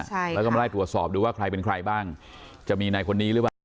ใช่แล้วก็มาไล่ตรวจสอบดูว่าใครเป็นใครบ้างจะมีในคนนี้หรือเปล่า